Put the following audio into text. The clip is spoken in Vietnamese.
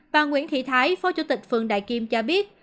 bà nguyễn thị thái phó chủ tịch phường đại kim cho biết